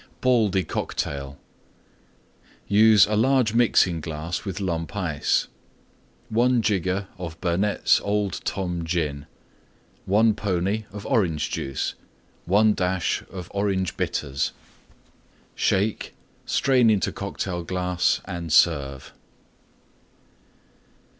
BALDY COCKTAIL Use a large Mixing glass with Lump Ice. 1 jigger of Burnette's Old Tom Gin. 1 pony of Orange Juice. 1 Dash of Orange Bitters. Shake; strain into Cocktail glass and serve.